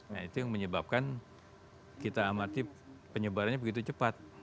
nah itu yang menyebabkan kita amati penyebarannya begitu cepat